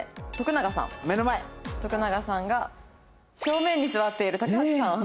徳永さんが「正面に座っている高橋さん」